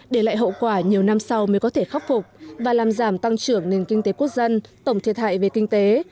để lại hậu quả nhiều năm sau mới có thể khắc phục và làm giảm tăng trưởng nền kinh tế quốc dân tổng thiệt hại về kinh tế